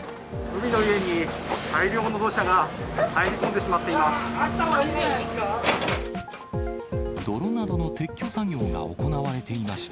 海の家に大量の土砂が入り込んでしまっています。